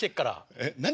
えっ何？